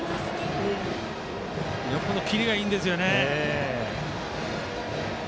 キレがいいんですよね。